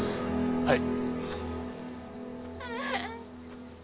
はい。